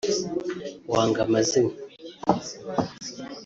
wanga amazimwe